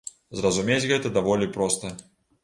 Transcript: Зразумець гэта даволі проста.